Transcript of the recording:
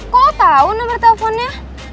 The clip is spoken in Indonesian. kok lo tau nomer teleponnya